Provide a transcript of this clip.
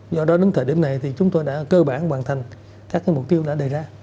do đó đến thời điểm này thì chúng tôi đã cơ bản hoàn thành các mục tiêu đã đề ra